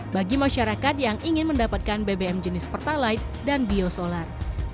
bagi masyarakat yang ingin mendapatkan bbm jenis pertalite dan biosolar